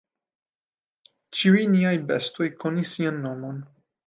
Ĉiuj niaj bestoj konis sian nomon.